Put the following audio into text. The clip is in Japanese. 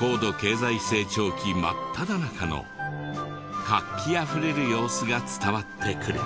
高度経済成長期真っただ中の活気あふれる様子が伝わってくる。